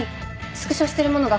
スクショしてるものがこれで